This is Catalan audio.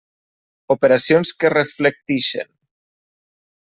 Operacions que reflectixen.